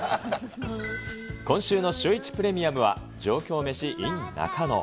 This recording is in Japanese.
今週のシューイチプレミアムは、上京メシｉｎ中野。